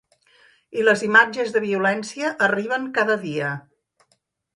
I les imatges de violència arriben cada dia.